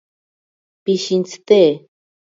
Pishintsite.